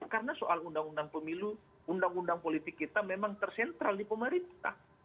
karena soal undang undang pemilu undang undang politik kita memang tersentral di pemerintah